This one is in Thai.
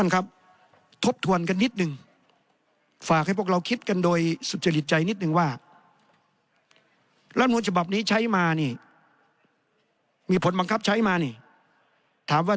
ข้อมูลของต่างชาติ